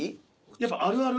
やっぱあるある？